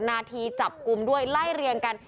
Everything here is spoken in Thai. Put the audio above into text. นาทีจับกลุ่มด้วยไล่เรียงกัน